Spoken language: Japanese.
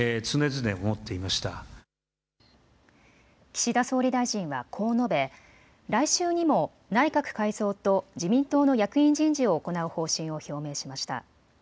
岸田総理大臣はこう述べ来週にも内閣改造と自民党の役員人事を行う方針を表明しました。